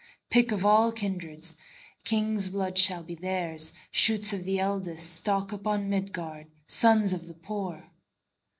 Pick of all kindreds, King's blood shall theirs be, Shoots of the eldestStock upon Midgard, Sons of the poor.